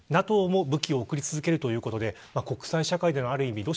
ＮＡＴＯも武器を送り続けるということで国際社会ではある意味